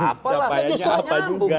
capainya apa juga ya